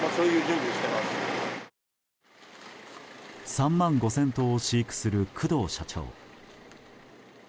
３万５０００頭を飼育する工藤社長。